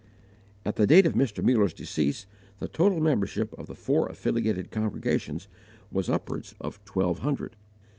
At the date of Mr. Muller's decease the total membership of the four affiliated congregations was upwards of twelve hundred.